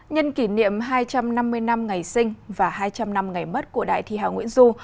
nhân kỷ niệm hai trăm năm mươi năm ngày sinh và hai trăm linh năm ngày mất của đại thi hào nguyễn du